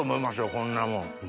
こんなもん。